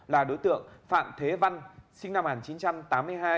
là đối tượng phạm thế văn sinh năm một nghìn chín trăm tám mươi hai